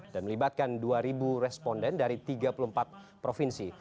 dan melibatkan dua ribu responden dari tiga puluh empat provinsi